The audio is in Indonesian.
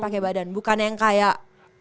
pakai badan bukan yang kayak